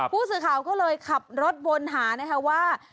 ผู้สื่อข่าวก็เลยขับรถวนหานะคะว่า